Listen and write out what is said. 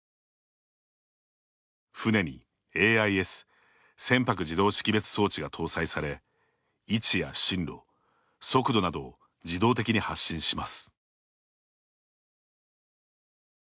船にＡＩＳ＝船舶自動識別装置が搭載され、位置や針路速度などを自動的に発信します。